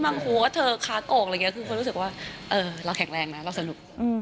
หลังหัวเธอค้ากอกอะไรอย่างเงี้ยคือเขารู้สึกว่าเออเราแข็งแรงนะเราสนุก